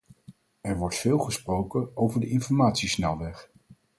Er wordt veel gesproken over de informatiesnelweg.